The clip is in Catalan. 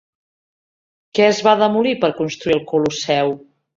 Què es va demolir per a construir el Colosseu?